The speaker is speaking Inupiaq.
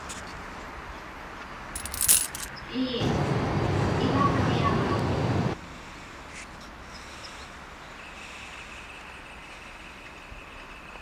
Ii, ivaġniaġaak.